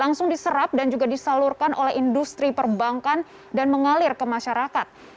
langsung diserap dan juga disalurkan oleh industri perbankan dan mengalir ke masyarakat